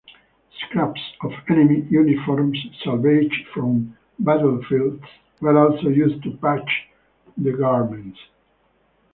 Scraps of enemy uniforms salvaged from battlefields were also used to patch the garments.